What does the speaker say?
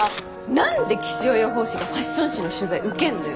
何で気象予報士がファッション誌の取材受けんのよ。